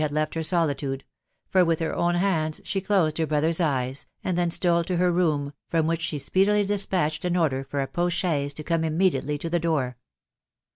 01 had left her solitude, for with her own hands she closed her brother's eyes, and then stole to her room, from which the speedily despatched an order for a postchaise to come imme diately to the door.